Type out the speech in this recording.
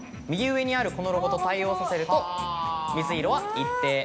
右上にあるこのロゴと対応させると水色は「一定」。